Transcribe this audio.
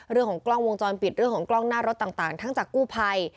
เรื่องของกล้องวงจรปิดเรื่องของกล้องหน้ารถต่างทั้งจากกู้ภัย